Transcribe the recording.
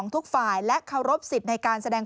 ถ้าเป็นจริง